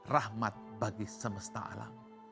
rahmat bagi semesta alam